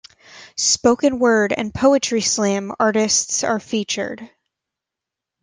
Spoken word and Poetry Slam artists are featured.